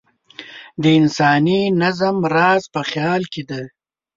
د انساني نظم راز په خیال کې دی.